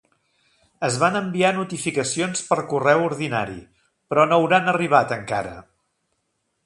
Es van enviar notificacions per correu ordinari, però no hauran arribat encara.